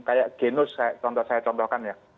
kayak genus saya contohkan ya